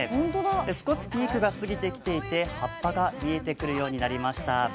少しピークが過ぎていて、葉っぱが見えてくるようになりました。